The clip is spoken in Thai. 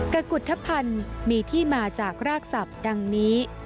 กุธภัณฑ์มีที่มาจากรากสับดังนี้